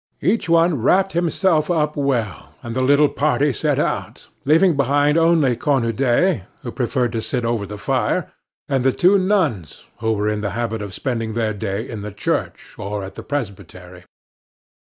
Each one wrapped himself up well, and the little party set out, leaving behind only Cornudet, who preferred to sit over the fire, and the two nuns, who were in the habit of spending their day in the church or at the presbytery.